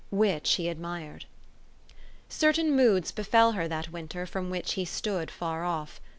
which he admired. Certain moods befell her that winter, from which he stood afar off.